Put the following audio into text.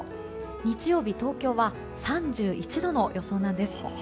日曜日、東京は３１度の予想なんです。